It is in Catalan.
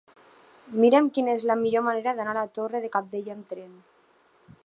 Mira'm quina és la millor manera d'anar a la Torre de Cabdella amb tren.